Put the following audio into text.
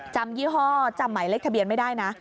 ยี่ห้อจำหมายเลขทะเบียนไม่ได้นะ